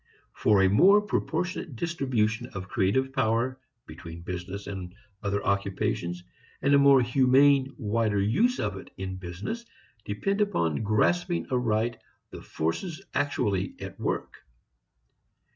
For a more proportionate distribution of creative power between business and other occupations, and a more humane, wider use of it in business depend upon grasping aright the forces actually at work.